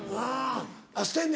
捨てんね